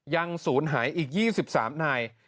ยังศูนย์หายอีก๒๓นาย